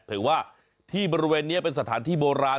เผยว่าที่บริเวณนี้เป็นสถานที่โบราณ